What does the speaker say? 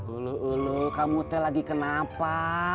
ulu ulu kamu teh lagi kenapa